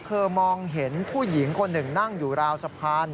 มองเห็นผู้หญิงคนหนึ่งนั่งอยู่ราวสะพาน